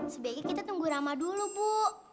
sebaiknya kita tunggu rama dulu bu